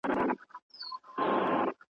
لا سلمان یې سر ته نه وو درېدلی .